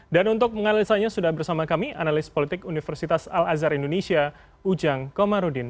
dan untuk menganalisanya sudah bersama kami analis politik universitas al azhar indonesia ujang komarudin